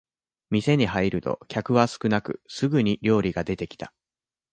店に入ると客は少なくすぐに料理が出てきた